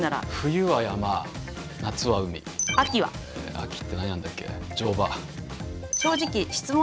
秋って何やるんだっけ。